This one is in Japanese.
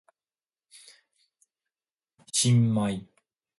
白米